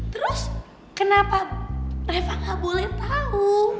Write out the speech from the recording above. terus kenapa reva gak boleh tahu